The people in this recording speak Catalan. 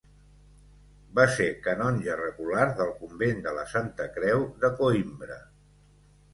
Va ser canonge regular del convent de la Santa Creu de Coïmbra.